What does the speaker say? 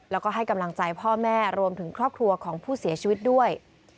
แล้วก็ให้กำลังใจพ่อแม่รวมถึงครอบครัวของผู้เสียชีวิตด้วย